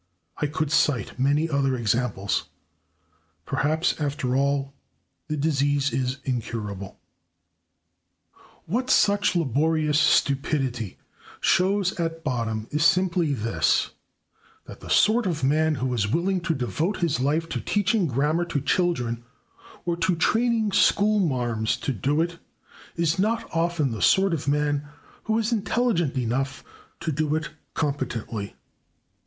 I could cite many other examples. Perhaps, after all, the disease is incurable. What such laborious stupidity shows at bottom is simply this: that the sort of man who is willing to devote his life to teaching grammar to children, or to training school marms to do it, is not often the sort of man who is intelligent enough to do it competently.